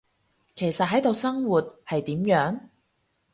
其實喺度生活，係點樣？